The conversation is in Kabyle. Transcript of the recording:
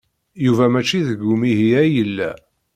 Yuba maci deg umihi ay yella.